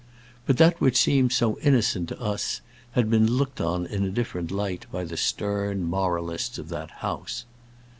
But that which seems so innocent to us had been looked on in a different light by the stern moralists of that house.